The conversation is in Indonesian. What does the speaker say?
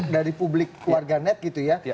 dari publik warga net gitu ya